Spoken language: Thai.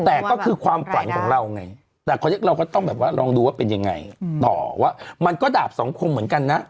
แต่ก็คือความฝันของเราไงแต่เราก็ต้องแบบว่าลองดูว่าเป็นยังไงต่อว่ามันก็ดาบสองคมเหมือนกันนะ